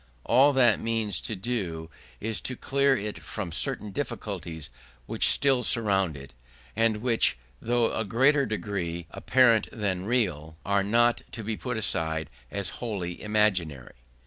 All that remains to do is to clear it from certain difficulties which still surround it, and which, though in a greater degree apparent than real, are not to be put aside as wholly imaginary.